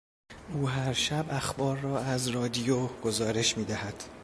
او هر شب اخبار را از رادیو گزارش میدهد.